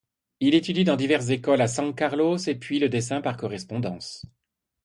Il étudie dans diverses écoles à San Carlos et puis le dessin par correspondance.